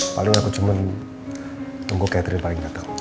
paling aku cuma nunggu catherine paling gak tahu